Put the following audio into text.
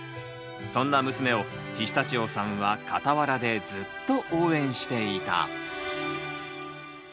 そんな娘をピスタチオさんは傍らでずっと応援していた。